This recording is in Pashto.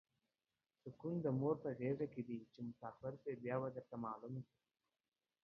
سوکون د مور په غیګه ده چی مسافر شی بیا به درته معلومه شی